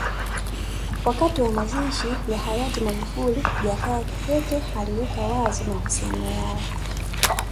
Wakati wa mazishi ya hayati Magufuli Jakaya Kikwete aliweka wazi mahusiano yao